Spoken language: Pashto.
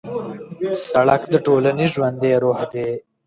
سړک د ټولنې ژوندی روح دی.